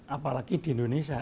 apalagi di indonesia